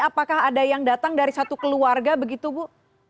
apakah ada yang datang dari satu keluarga begitu bu